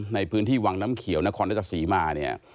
ในพื้นที่วังน้ำเขียวนครรัชศรีมาเนี่ย